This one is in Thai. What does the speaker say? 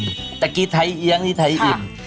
เมื่อกี้ไทยเอี๊ยงนี่ไทยอิ่ม